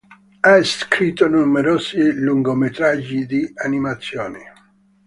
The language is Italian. Ha scritto numerosi lungometraggi di animazione.